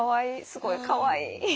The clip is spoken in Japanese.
すごいかわいい。